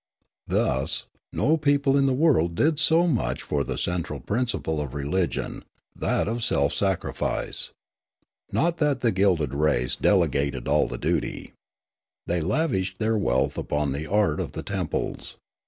Thus Aleofanian Devotion to Truth 49 no people in the world did so much for the central prin ciple of religion, that of self sacrifice. Not that the gilded race delegated all the duty. They lavished their wealth upon the art of the temples.